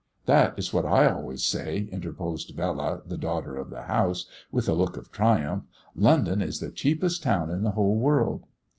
"That is what I always say," interposed Bella, the daughter of the house, with a look of triumph, "London is the cheapest town in the whole world."